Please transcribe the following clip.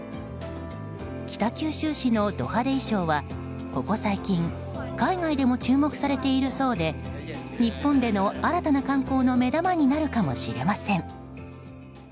北九州市のド派手衣装はここ最近海外でも注目されているそうで日本での新たな観光の目玉になるかもしれません。